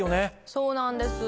そうなんです。